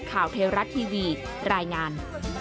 ข่าวเทวรัตน์ทีวีรายงาน